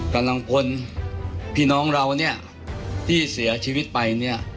กำลังพลพี่น้องเราเนี่ยที่เสียชีวิตไปเนี่ย